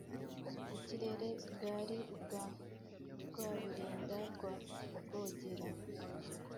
”Ikirere “bwari ubwa Rwabilinda rwa Rwogera